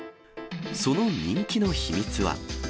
その人気の秘密は。